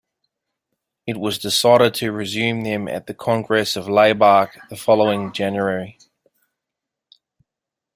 It was decided to resume them at the Congress of Laibach the following January.